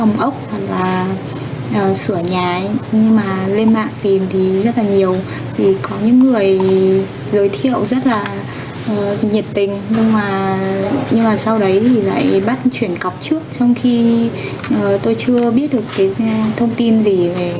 nhưng mà sau đấy thì lại bắt chuyển cọc trước trong khi tôi chưa biết được cái thông tin gì về